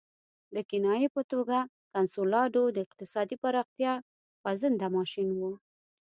د کنایې په توګه کنسولاډو د اقتصادي پراختیا خوځنده ماشین وو.